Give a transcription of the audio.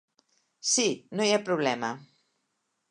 Sí, no hi ha problema.